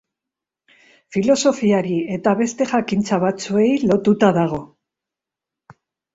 Filosofiari eta beste jakintza batzuei lotuta dago.